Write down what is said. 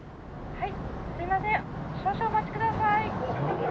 はい。